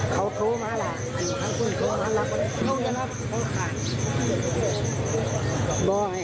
เขาโทรมาล่ะอยู่ข้างขึ้นโทรมาล่ะลูกจะรับเขาค่ะ